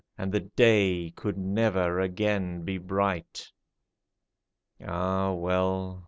And the day could never again be bright. Ah, well